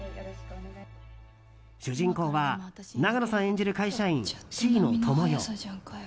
主人公は永野さん演じる会社員シイノトモヨ。